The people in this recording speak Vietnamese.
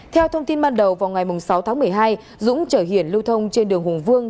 theo thông tin ban đầu vào ngày sáu tháng một mươi hai dũng chở hiển lưu thông trên đường hùng vương